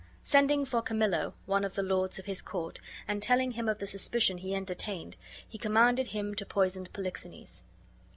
Sending for Camillo, one of the lords of his court, and telling him of the suspicion he entertained, he commanded him to poison Polixenes.